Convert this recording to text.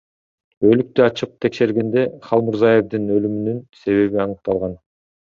Өлүктү ачып текшергенде Халмурзаевдин өлүмүнүн себеби аныкталган.